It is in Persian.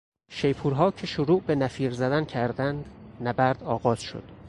شیپورها که شروع به نفیر زدن کردند، نبرد آغاز شد.